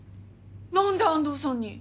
何で安藤さんに？